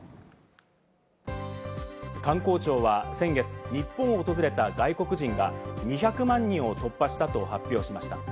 観光庁は先月、日本を訪れた外国人が２００万人を突破したと発表しました。